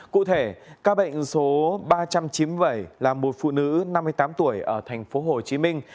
cụ thể ca bệnh số ba trăm chín mươi bảy là một phụ nữ năm mươi tám tuổi ở thành phố hồ chí minh